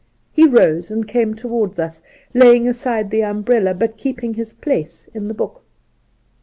He rose and came towards us, laying aside the umbrella, but keeping his place in the book.